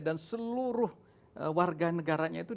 dan seluruh warga negaranya itu